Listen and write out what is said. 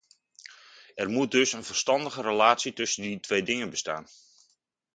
Er moet dus een verstandige relatie tussen die twee dingen bestaan.